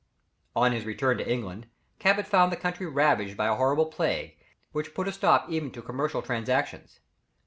On his return to England, Cabot found the country ravaged by a horrible plague, which put a stop even to commercial transactions.